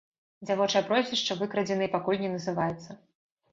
Дзявочае прозвішча выкрадзенай пакуль не называецца.